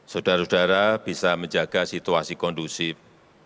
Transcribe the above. saudara saudara bisa menjaga situasi kondusif